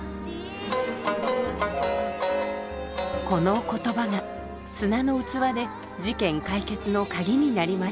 この言葉が「砂の器」で事件解決の鍵になりました。